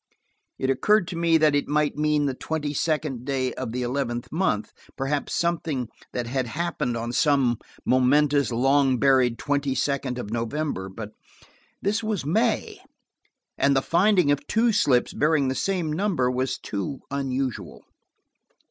It occurred to me that it might mean the twenty second day of the eleventh month, perhaps something that had happened on some momentous, long buried twenty second of November. But this was May, and the finding of two slips bearing the same number was too unusual.